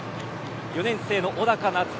４年生の小高夏綺。